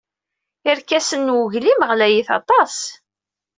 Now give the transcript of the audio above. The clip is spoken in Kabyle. Irkasen n weglim ɣlayit aṭas.